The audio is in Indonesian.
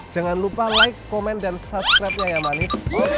jangan lupa like comment dan subscribe nya ya manis